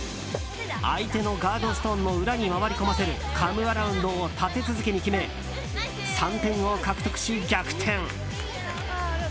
相手のガードストーンの裏に回り込ませるカムアラウンドを立て続けに決め３点を獲得し、逆転。